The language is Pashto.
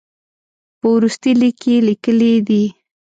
په وروستي لیک کې یې لیکلي دي.